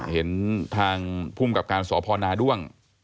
เห็นทางภูมิกับการสพนาด้วง